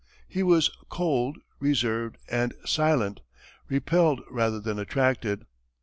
He was cold, reserved, and silent, repelled rather than attracted.